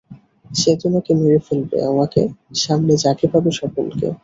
সে তোমাকে মেরে ফেলবে, আমাকে, সামনে যাকে পাবে সকলকে!